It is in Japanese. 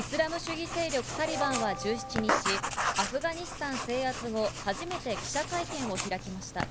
イスラム主義勢力・タリバンは１７日、アフガニスタン制圧後、初めて記者会見を開きました。